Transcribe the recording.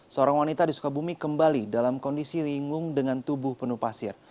seorang wanita di sukabumi kembali dalam kondisi lingung dengan tubuh penuh pasir